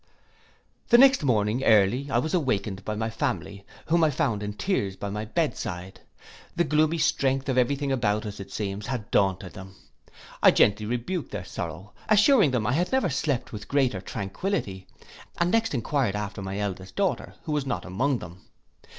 The next morning early I was awakened by my family, whom I found in tears at my bed side. The gloomy strength of every thing about us, it seems, had daunted them. I gently rebuked their sorrow, assuring them I had never slept with greater tranquility, and next enquired after my eldest daughter, who was not among them.